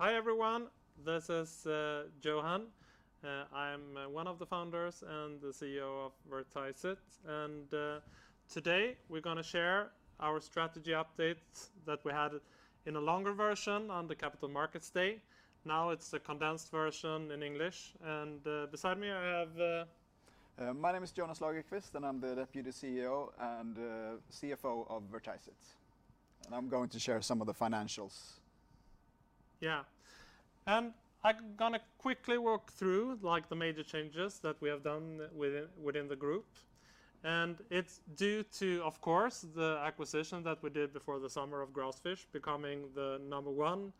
Hi, everyone. This is Johan. I'm one of the founders and the CEO of Vertiseit. Today, we're going to share our strategy updates that we had in a longer version on the Capital Markets Day. Now it's a condensed version in English. Beside me, I have- My name is Jonas Lagerqvist, and I'm the Deputy CEO and CFO of Vertiseit. I'm going to share some of the financials. Yeah. I'm going to quickly walk through the major changes that we have done within the group. It's due to, of course, the acquisition that we did before the summer of Grassfish, becoming the number one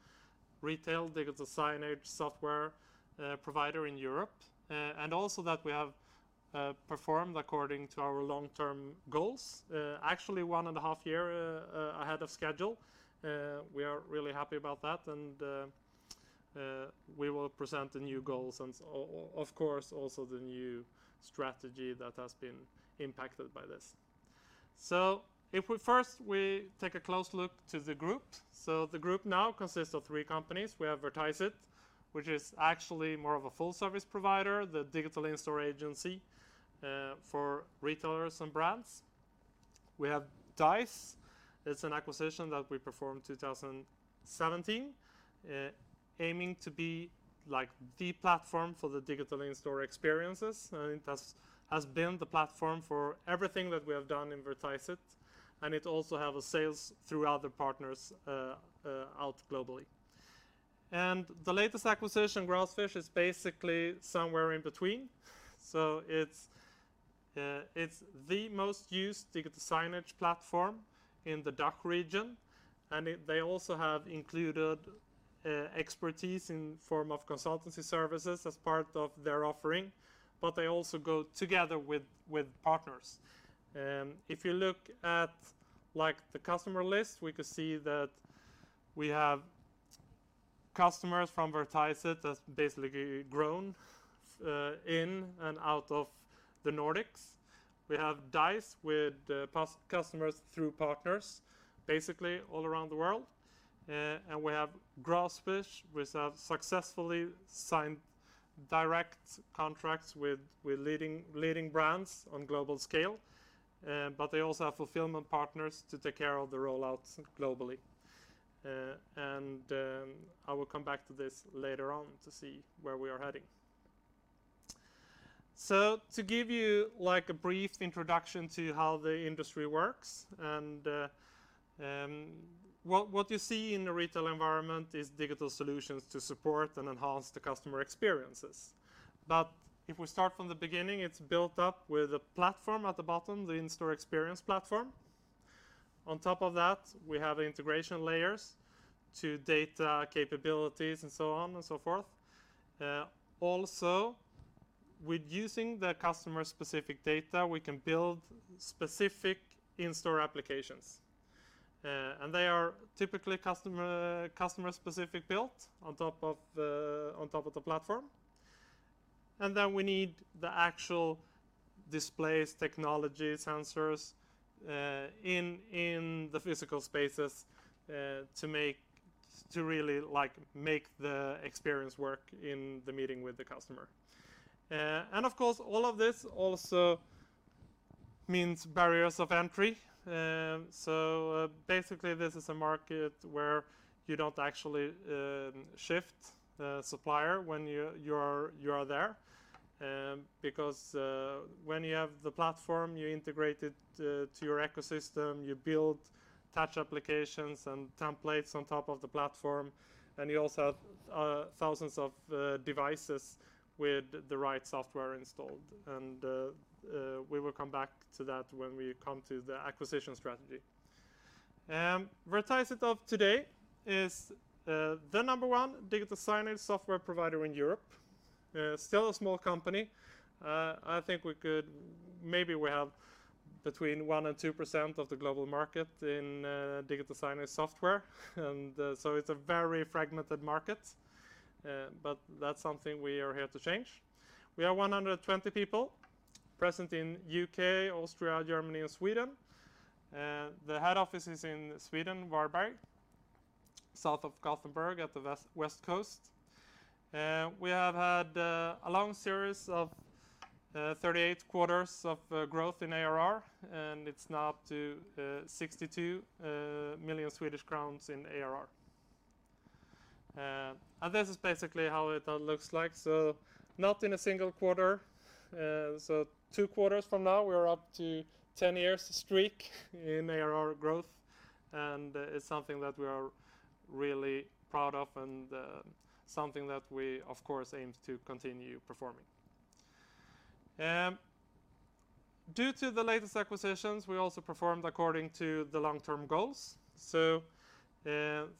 retail digital signage software provider in Europe. Also that we have performed according to our long-term goals, actually 1.5 year ahead of schedule. We are really happy about that. We will present the new goals, and of course, also the new strategy that has been impacted by this. If we first take a close look to the group. The group now consists of three companies. We have Vertiseit, which is actually more of a full service provider, the digital in-store agency for retailers and brands. We have Dise. It's an acquisition that we performed 2017, aiming to be the platform for the digital in-store experiences, and it has been the platform for everything that we have done in Vertiseit. It also have a sales throughout the partners out globally. The latest acquisition, Grassfish, is basically somewhere in between. It's the most used digital signage platform in the DACH region, and they also have included expertise in form of consultancy services as part of their offering, but they also go together with partners. If you look at the customer list, we could see that we have customers from Vertiseit that's basically grown in and out of the Nordics. We have Dise with customers through partners, basically all around the world. We have Grassfish with successfully signed direct contracts with leading brands on global scale. They also have fulfillment partners to take care of the roll-outs globally. I will come back to this later on to see where we are heading. To give you a brief introduction to how the industry works, and what you see in the retail environment is digital solutions to support and enhance the customer experiences. If we start from the beginning, it's built up with a platform at the bottom, the in-store experience platform. On top of that, we have integration layers to data capabilities and so on and so forth. Also, with using the customer-specific data, we can build specific in-store applications. They are typically customer-specific built on top of the platform. Then we need the actual displays, technology, sensors, in the physical spaces to really make the experience work in the meeting with the customer. Of course, all of this also means barriers of entry. Basically, this is a market where you don't actually shift the supplier when you are there, because when you have the platform, you integrate it to your ecosystem, you build touch applications and templates on top of the platform, and you also have thousands of devices with the right software installed. We will come back to that when we come to the acquisition strategy. Vertiseit of today is the number one digital signage software provider in Europe. Still a small company. I think maybe we have between 1% and 2% of the global market in digital signage software. It's a very fragmented market, but that's something we are here to change. We are 120 people present in U.K., Austria, Germany, and Sweden. The head office is in Sweden, Varberg, south of Gothenburg at the west coast. We have had a long series of 38 quarters of growth in ARR, it's now up to 62 million Swedish crowns in ARR. This is basically how it looks like. Not in a single quarter. Two quarters from now, we're up to 10 years streak in ARR growth, it's something that we are really proud of and something that we, of course, aim to continue performing. Due to the latest acquisitions, we also performed according to the long-term goals.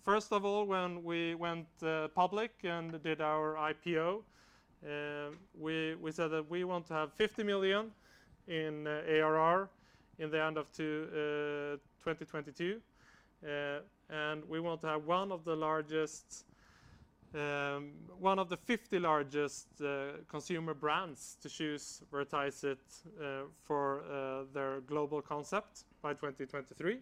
First of all, when we went public and did our IPO, we said that we want to have 50 million in ARR in the end of 2022, we want to have one of the 50 largest consumer brands to choose Vertiseit for their global concept by 2023.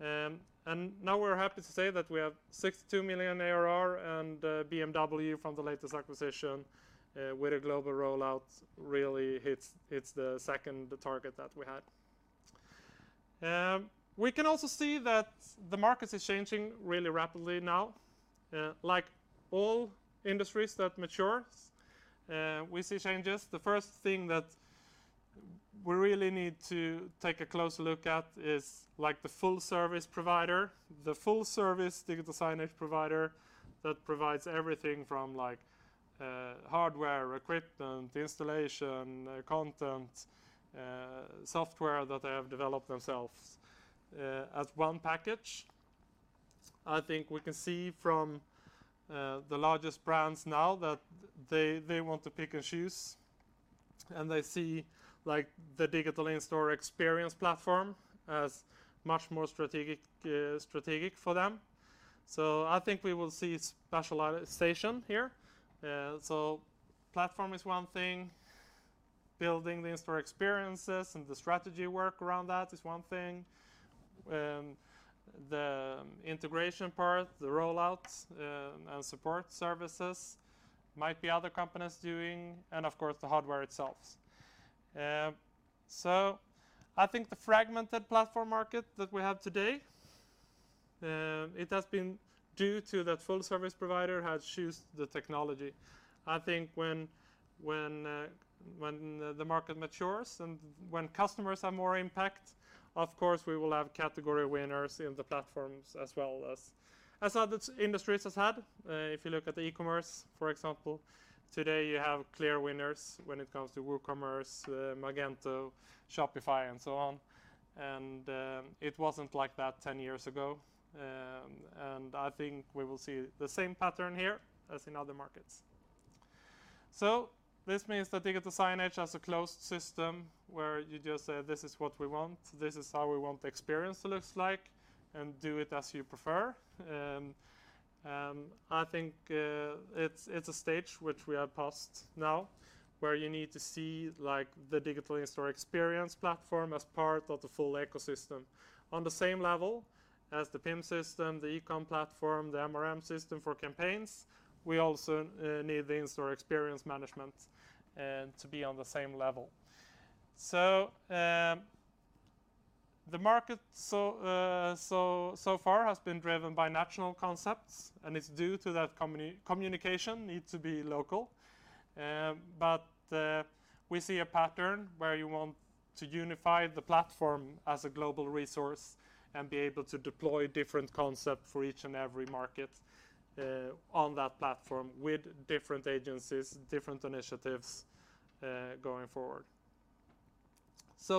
Now we're happy to say that we have 62 million ARR and BMW from the latest acquisition, with a global rollout really hits the second target that we had. We can also see that the market is changing really rapidly now. Like all industries that mature, we see changes. The first thing that we really need to take a closer look at is the full service provider, the full service digital signage provider that provides everything from hardware, equipment, installation, content, software that they have developed themselves as one package. I think we can see from the largest brands now that they want to pick and choose, and they see the digital in-store experience platform as much more strategic for them. I think we will see specialization here. Platform is one thing, building the in-store experiences and the strategy work around that is one thing. The integration part, the roll-outs, and support services might be other companies doing, and of course, the hardware itself. I think the fragmented platform market that we have today, it has been due to that full-service provider has chosen the technology. I think when the market matures and when customers have more impact, of course, we will have category winners in the platforms as well as other industries have had. If you look at the e-commerce, for example, today, you have clear winners when it comes to WooCommerce, Magento, Shopify, and so on, and it wasn't like that 10 years ago. I think we will see the same pattern here as in other markets. This means that digital signage has a closed system where you just say, "This is what we want. This is how we want the experience to look like," and do it as you prefer. I think it's a stage which we have passed now, where you need to see the digital in-store experience platform as part of the full ecosystem. On the same level as the PIM system, the e-com platform, the MRM system for campaigns, we also need the in-store experience management to be on the same level. The market so far has been driven by national concepts, and it's due to that communication need to be local. We see a pattern where you want to unify the platform as a global resource and be able to deploy different concept for each and every market on that platform with different agencies, different initiatives going forward.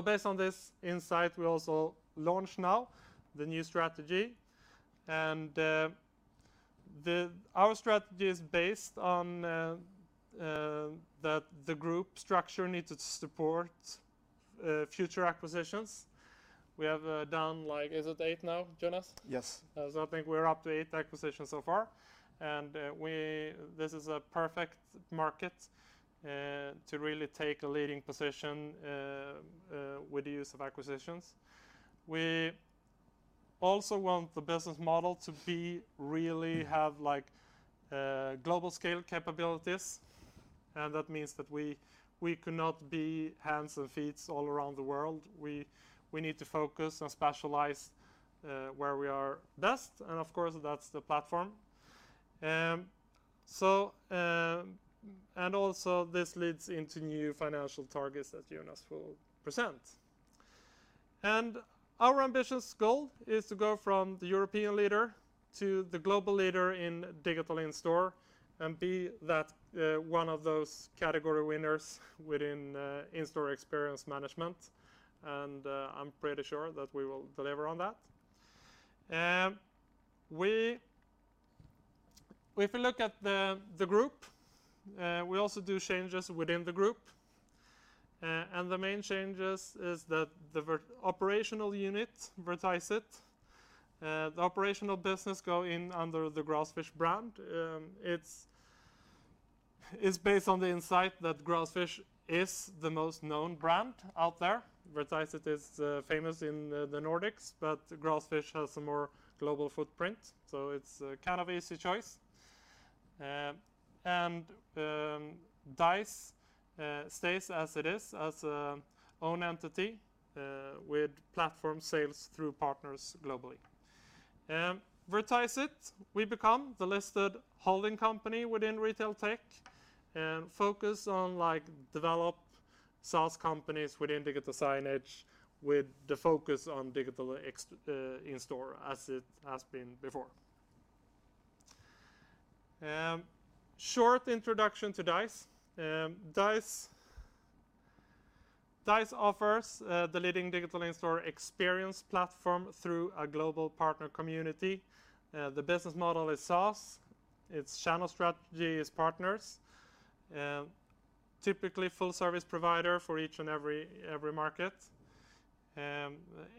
Based on this insight, we also launch now the new strategy. Our strategy is based on that the group structure needs to support future acquisitions. We have done, is it eight now, Jonas? Yes. I think we're up to eight acquisitions so far. This is a perfect market to really take a leading position with the use of acquisitions. We also want the business model to really have global scale capabilities, and that means that we cannot be hands and feet all around the world. We need to focus and specialize where we are best, and of course, that's the platform. Also, this leads into new financial targets that Jonas will present. Our ambitious goal is to go from the European leader to the global leader in digital in-store and be one of those category winners within in-store experience management, and I'm pretty sure that we will deliver on that. If you look at the group, we also do changes within the group. The main changes is that the operational unit, Vertiseit, the operational business go in under the Grassfish brand. It's based on the insight that Grassfish is the most known brand out there. Vertiseit is famous in the Nordics, but Grassfish has a more global footprint, so it's a kind of easy choice. Dise stays as it is, as a own entity with platform sales through partners globally. Vertiseit, we become the listed holding company within retail tech and focus on develop SaaS companies within digital signage with the focus on digital in-store as it has been before. Short introduction to Dise. Dise offers the leading digital in-store experience platform through a global partner community. The business model is SaaS. Its channel strategy is partners. Typically full service provider for each and every market.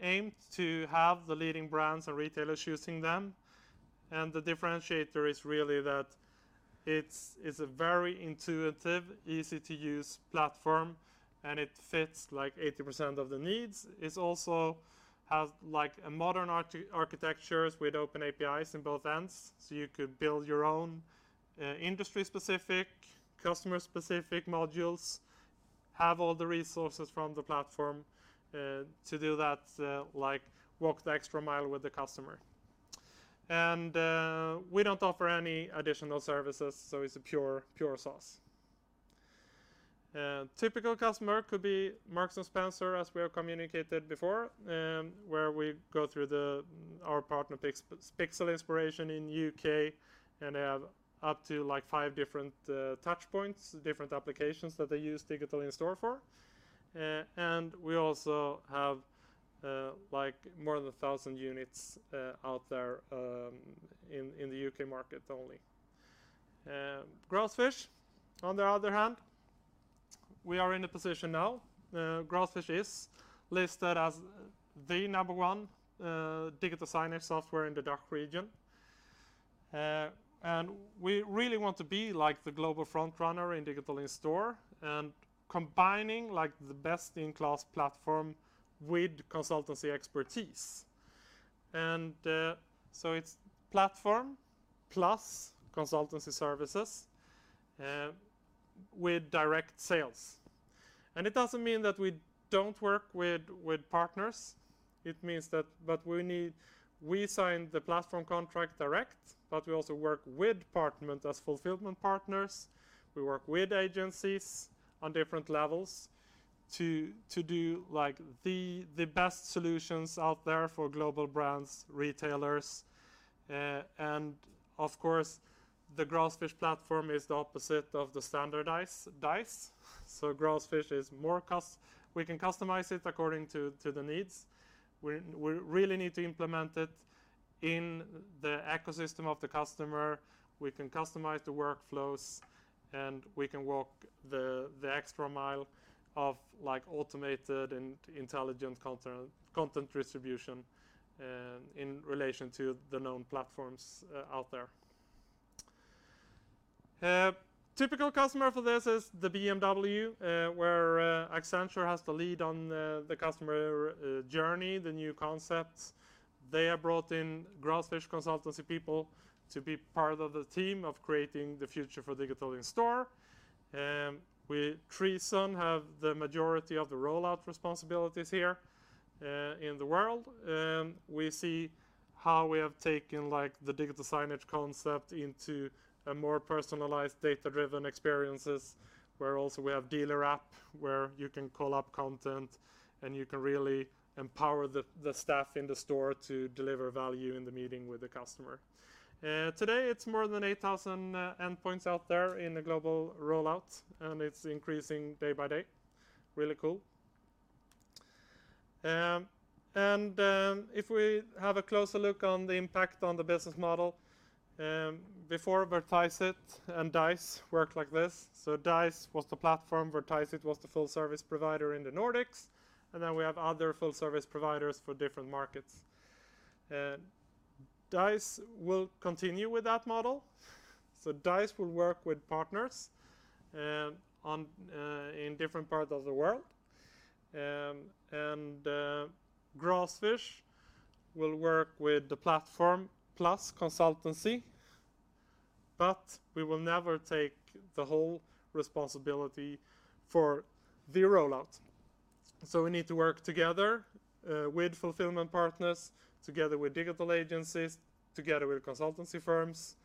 Aim to have the leading brands and retailers using them. The differentiator is really that it's a very intuitive, easy-to-use platform, and it fits 80% of the needs. It also has a modern architecture with open APIs in both ends, so you could build your own industry-specific, customer-specific modules, have all the resources from the platform to do that, walk the extra mile with the customer. We don't offer any additional services, so it's a pure SaaS. Typical customer could be Marks & Spencer, as we have communicated before, where we go through our partner, Pixel Inspiration, in U.K., and they have up to five different touch points, different applications that they use digital in-store for. We also have more than 1,000 units out there in the U.K. market only. Grassfish, on the other hand, we are in a position now. Grassfish is listed as the number one digital signage software in the DACH region. We really want to be the global frontrunner in digital in-store and combining the best-in-class platform with consultancy expertise. It is platform plus consultancy services with direct sales. It doesn't mean that we don't work with partners. It means that we sign the platform contract direct, but we also work with partners as fulfillment partners. We work with agencies on different levels to do the best solutions out there for global brands, retailers. Of course, the Grassfish platform is the opposite of the standardized Dise. Grassfish is more custom. We can customize it according to the needs. We really need to implement it in the ecosystem of the customer. We can customize the workflows, and we can walk the extra mile of automated and intelligent content distribution in relation to the known platforms out there. Typical customer for this is the BMW, where Accenture has the lead on the customer journey, the new concepts. They have brought in Grassfish consultancy people to be part of the team of creating the future for digital in-store. With TRISON have the majority of the rollout responsibilities here in the world. We see how we have taken the digital signage concept into a more personalized data-driven experiences, where also we have dealer app, where you can call up content and you can really empower the staff in the store to deliver value in the meeting with the customer. Today it's more than 8,000 endpoints out there in the global rollout, and it's increasing day by day. Really cool. If we have a closer look on the impact on the business model, before Vertiseit and Dise worked like this. Dise was the platform, Vertiseit was the full service provider in the Nordics, and then we have other full service providers for different markets. Dise will continue with that model. Dise will work with partners in different parts of the world. Grassfish will work with the platform plus consultancy, but we will never take the whole responsibility for the rollout. We need to work together with fulfillment partners, together with digital agencies, together with consultancy firms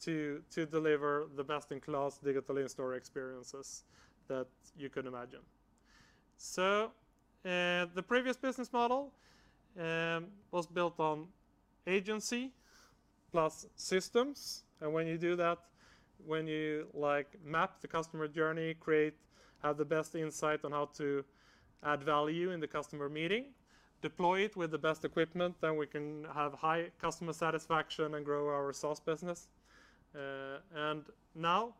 to deliver the best-in-class digital in-store experiences that you can imagine. The previous business model was built on agency plus systems. When you do that, when you map the customer journey, create, have the best insight on how to add value in the customer meeting, deploy it with the best equipment, then we can have high customer satisfaction and grow our SaaS business. Now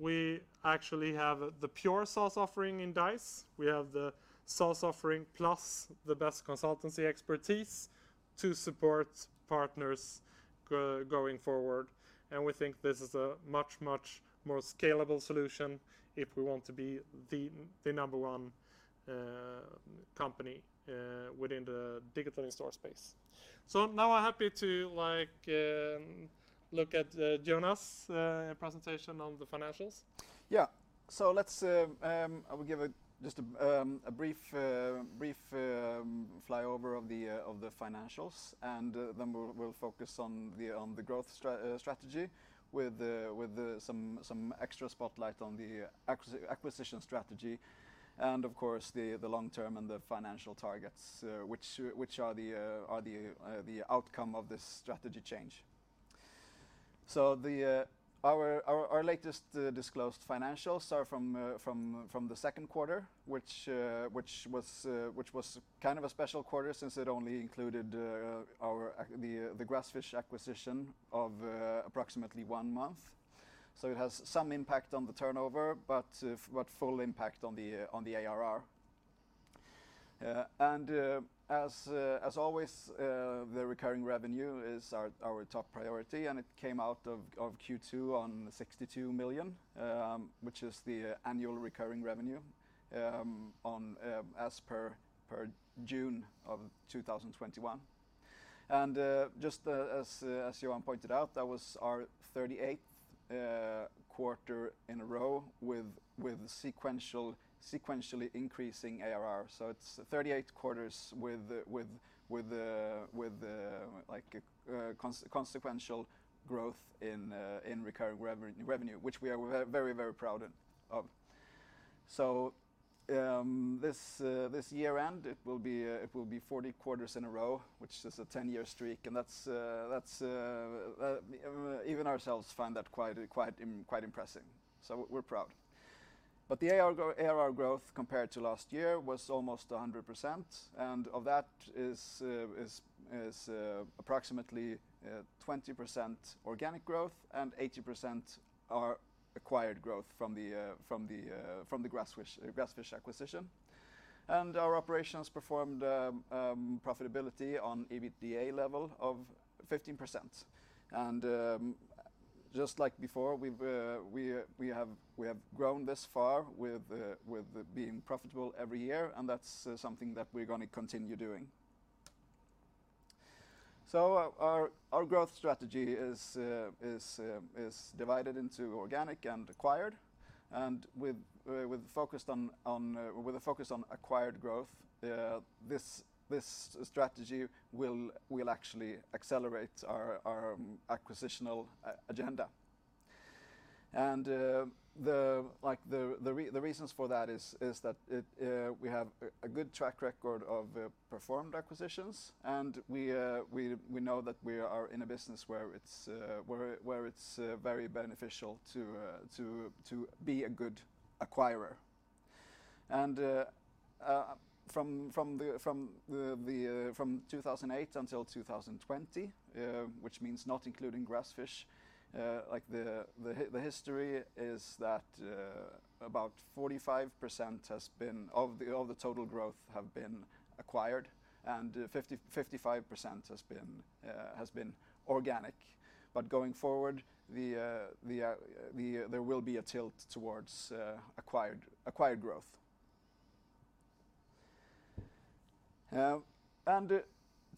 we actually have the pure SaaS offering in Dise. We have the SaaS offering plus the best consultancy expertise to support partners going forward. We think this is a much, much more scalable solution if we want to be the number one company within the digital in-store space. Now I'm happy to look at Jonas' presentation on the financials. Yeah. I will give just a brief flyover of the financials, and then we'll focus on the growth strategy with some extra spotlight on the acquisition strategy and of course the long term and the financial targets which are the outcome of this strategy change. Our latest disclosed financials are from the second quarter which was kind of a special quarter since it only included the Grassfish acquisition of approximately one month. It has some impact on the turnover, but full impact on the ARR. As always, the recurring revenue is our top priority, and it came out of Q2 on 62 million, which is the annual recurring revenue as per June of 2021. Just as Johan pointed out, that was our 38th quarter in a row with sequentially increasing ARR. It's 38 quarters with a consequential growth in recurring revenue, which we are very proud of. This year-end, it will be 40 quarters in a row, which is a 10 year streak, and even ourselves find that quite impressive. We're proud. The ARR growth compared to last year was almost 100%, and of that is approximately 20% organic growth and 80% are acquired growth from the Grassfish acquisition. Our operations performed profitability on EBITDA level of 15%. Just like before, we have grown this far with being profitable every year, and that's something that we're going to continue doing. Our growth strategy is divided into organic and acquired. With a focus on acquired growth, this strategy will actually accelerate our acquisitional agenda. The reasons for that is that we have a good track record of performed acquisitions, and we know that we are in a business where it's very beneficial to be a good acquirer. From 2008 until 2020, which means not including Grassfish, the history is that about 45% of all the total growth have been acquired and 55% has been organic. Going forward, there will be a tilt towards acquired growth.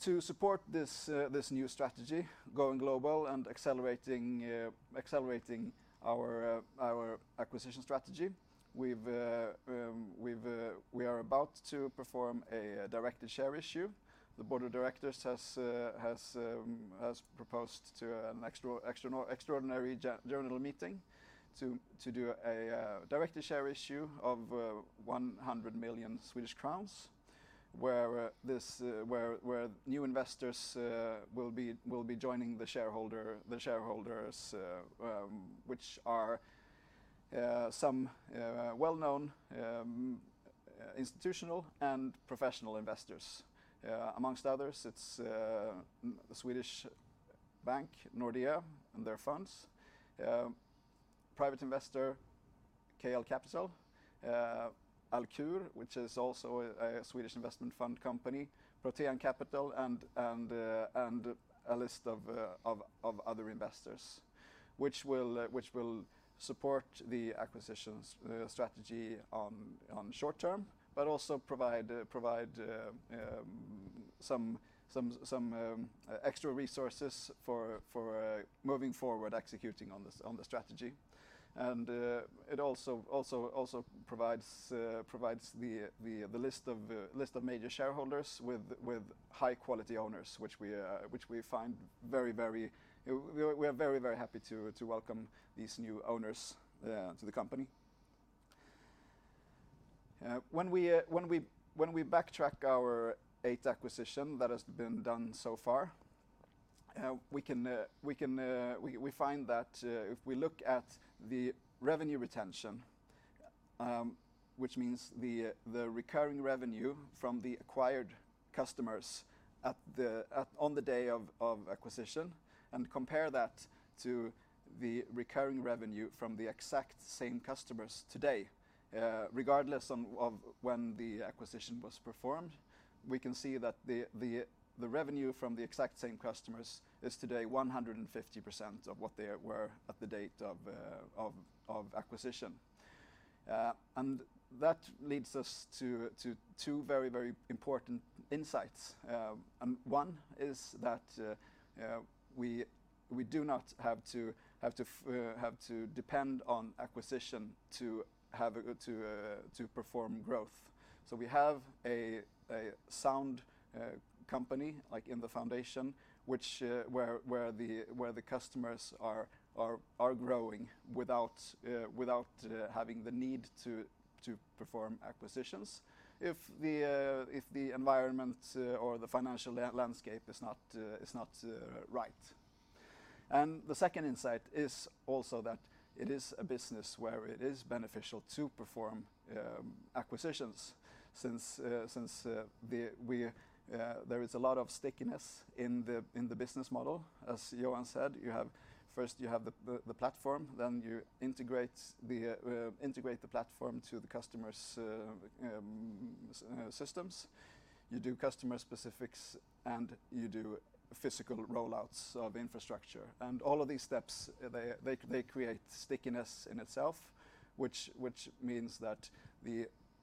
To support this new strategy, going global and accelerating our acquisition strategy, we are about to perform a directed share issue. The board of directors has proposed to an extraordinary general meeting to do a directed share issue of 100 million Swedish crowns, where new investors will be joining the shareholders, which are some well-known institutional and professional investors. Among others, it's the Swedish bank Nordea and their funds, private investor KL Capital, Alcur, which is also a Swedish investment fund company, Protean Capital, and a list of other investors, which will support the acquisitions strategy on short term, but also provide some extra resources for moving forward executing on the strategy. It also provides the list of major shareholders with high-quality owners, which we are very happy to welcome these new owners to the company. When we backtrack our eight acquisition that has been done so far, we find that if we look at the revenue retention, which means the recurring revenue from the acquired customers on the day of acquisition, and compare that to the recurring revenue from the exact same customers today, regardless of when the acquisition was performed, we can see that the revenue from the exact same customers is today 150% of what they were at the date of acquisition. That leads us to two very important insights. One is that we do not have to depend on acquisition to perform growth. We have a sound company in the foundation, where the customers are growing without having the need to perform acquisitions if the environment or the financial landscape is not right. The second insight is also that it is a business where it is beneficial to perform acquisitions since there is a lot of stickiness in the business model. As Johan said, first you have the platform, then you integrate the platform to the customer's systems. You do customer specifics, and you do physical roll-outs of infrastructure. All of these steps, they create stickiness in itself, which means that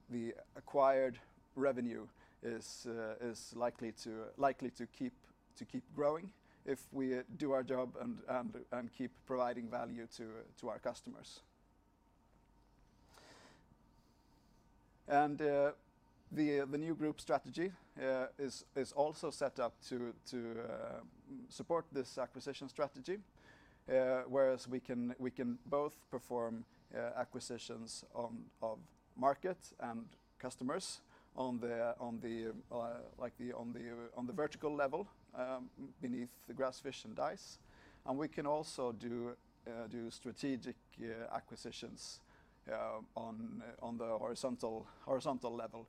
the acquired revenue is likely to keep growing if we do our job and keep providing value to our customers. The new group strategy is also set up to support this acquisition strategy. Whereas we can both perform acquisitions of market and customers on the vertical level beneath the Grassfish and Dise. We can also do strategic acquisitions on the horizontal level,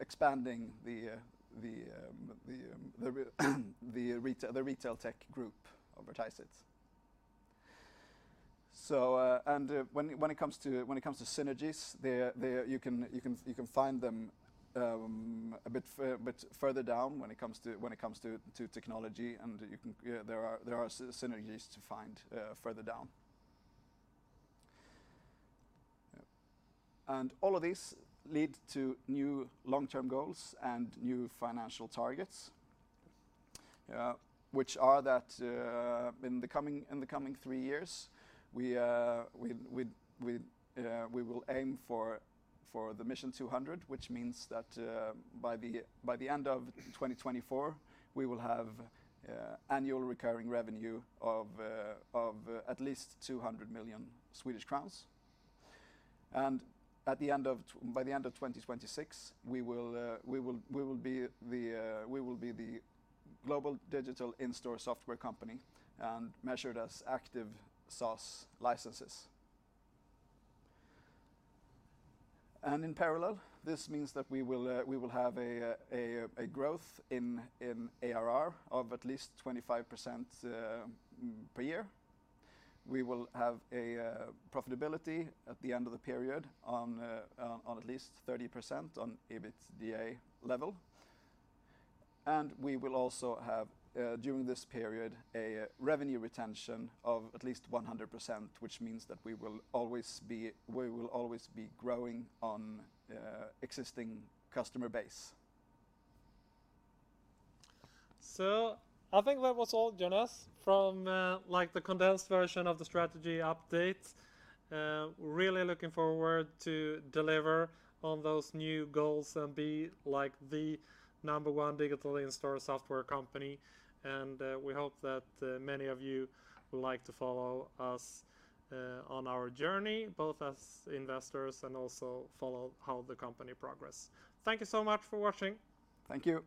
expanding the retail tech group of Vertiseit. When it comes to synergies, you can find them a bit further down when it comes to technology, and there are synergies to find further down. All of these lead to new long-term goals and new financial targets, which are that in the coming three years, we will aim for the MISSION 200, which means that by the end of 2024, we will have annual recurring revenue of at least SEK 200 million. By the end of 2026, we will be the global digital in-store software company and measured as active SaaS licenses. In parallel, this means that we will have a growth in ARR of at least 25% per year. We will have a profitability at the end of the period on at least 30% on EBITDA level. We will also have, during this period, a revenue retention of at least 100%, which means that we will always be growing on existing customer base. I think that was all, Jonas, from the condensed version of the strategy update. I am really looking forward to deliver on those new goals and be the number one digital in-store software company. We hope that many of you would like to follow us on our journey, both as investors and also follow how the company progress. Thank you so much for watching. Thank you.